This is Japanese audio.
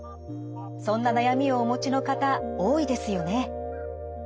そんな悩みをお持ちの方多いですよね。